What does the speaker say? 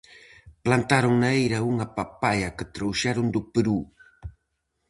Plantaron na eira unha papaia que trouxeron do Perú.